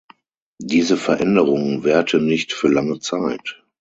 Diese Veränderung währte nicht für lange Zeit.